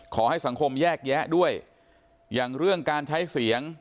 ขอให้สังคมแยกแยะด้วยอย่างเรื่องการใช้เสียง